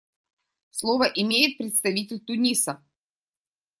Слово имеет представитель Туниса.